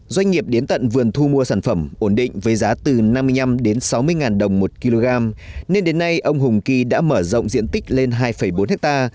doanh nghiệp đến tận vườn thu mua sản phẩm ổn định với giá từ năm mươi năm sáu mươi ngàn đồng một kg nên đến nay ông hùng kỳ đã mở rộng diện tích lên hai bốn ha